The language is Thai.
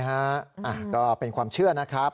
ใช่ค่ะอ้าวก็เป็นความเชื่อนะครับ